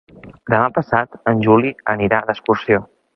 Demà passat en Juli anirà d'excursió.